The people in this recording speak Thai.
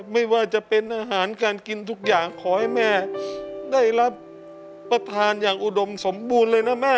ไม่ว่าจะเป็นอาหารการกินทุกอย่างขอให้แม่ได้รับประทานอย่างอุดมสมบูรณ์เลยนะแม่